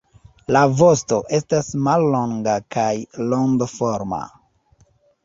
La vosto estas mallonga kaj rondoforma.